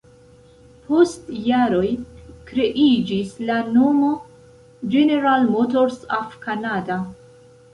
Post jaroj kreiĝis la nomo "General Motors of Canada".